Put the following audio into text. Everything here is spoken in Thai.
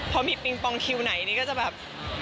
พอมีปิงปองคิวไหนนี่ก็จะแบบ